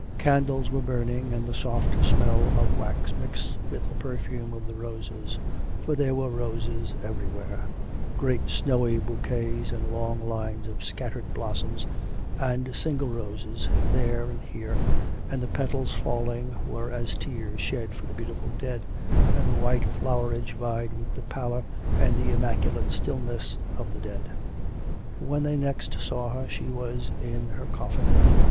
Candles were burning, and the soft smell of wax mixed with the perfume of the roses. For there were roses everywhere great snowy bouquets and long lines of scattered blossoms, and single roses there and here, and the petals falling were as tears shed for the beautiful dead, and the white flowerage vied with the pallor and the immaculate stillness of the dead. When they next saw her she was in her coffin.